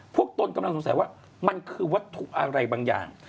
ตนกำลังสงสัยว่ามันคือวัตถุอะไรบางอย่าง